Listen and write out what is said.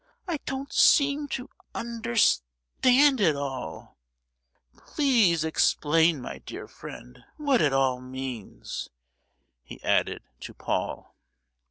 I don't seem to under—stand it all; please explain, my dear friend, what it all means!" he added, to Paul.